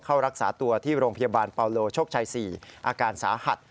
เข้ารักษาตัวที่โรงพยาบาลเปาโลโชคชัย๔อาการสาหัส